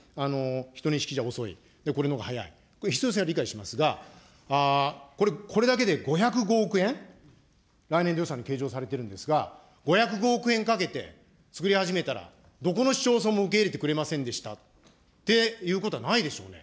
１２式じゃ遅い、これのが速い、必要性は理解しますが、これ、これだけで５０５億円、来年度予算に計上されているんですが、５０５億円かけて、つくり始めたらどこの市町村も受け入れてくれませんでしたということはないでしょうね。